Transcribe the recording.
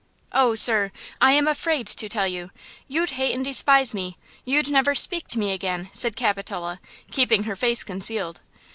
"Oh, sir, I am afraid to tell you; you'd hate and despise me; you'd never speak to me again," said Capitola, keeping her face concealed.